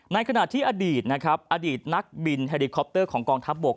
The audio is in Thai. ในขณะที่อดีตนักบินแฮลลี่คอปเตอร์ของกองทัพบวก